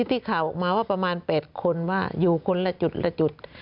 ที่ข่าวออกมาว่าประมาณ๘คนว่าอยู่คนละจุดละจุด